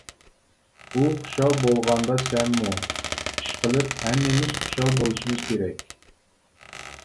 ئۇ خۇشال بولغاندا سەنمۇ، ئىشقىلىپ، ھەممىمىز خۇشال بولۇشىمىز كېرەك.